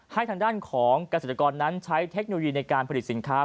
ทางด้านของเกษตรกรนั้นใช้เทคโนโลยีในการผลิตสินค้า